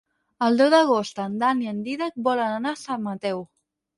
El deu d'agost en Dan i en Dídac volen anar a Sant Mateu.